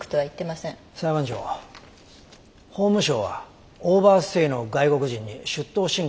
法務省はオーバーステイの外国人に出頭申告を奨励しています。